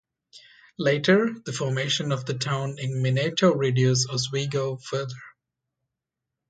Later, the formation of the Town of Minetto reduced Oswego further.